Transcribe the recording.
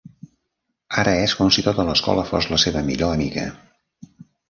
Ara és com si tota l'escola fos la seva millor amiga.